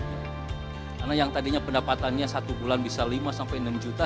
karena yang tadinya pendapatannya satu bulan bisa lima sampai enam juta